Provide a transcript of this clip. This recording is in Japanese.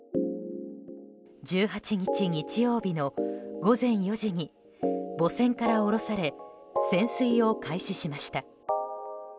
１８日、日曜日の午前４時に母船から降ろされ潜水を開始しました。